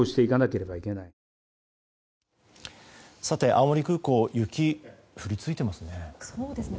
青森空港雪、降り続いていますね。